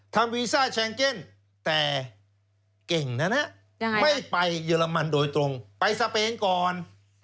วีซ่าแชงเก็นแต่เก่งนะนะไม่ไปเยอรมันโดยตรงไปสเปนก่อน